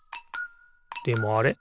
でもあれ？